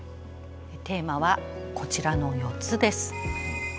テーマはこちらの４つです。